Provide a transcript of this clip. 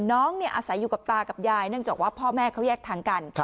น้องอาศัยอยู่กับตากับยายเนื่องจากว่าพ่อแม่เขาแยกทางกัน